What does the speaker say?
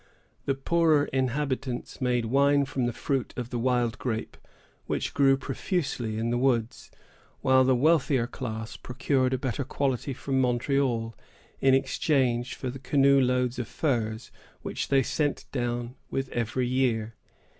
The poorer inhabitants made wine from the fruit of the wild grape, which grew profusely in the woods, while the wealthier class procured a better quality from Montreal, in exchange for the canoe loads of furs which they sent down with every year.